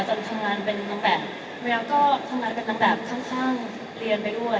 ทำงานเป็นนางแบบแล้วก็ทำงานเป็นนางแบบข้างเรียนไปด้วย